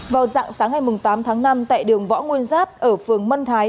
vào dạng sáng ngày tám tháng năm tại đường võ nguyên giáp ở phường mân thái